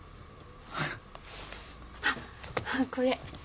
あっこれ。